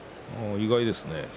意外ですね。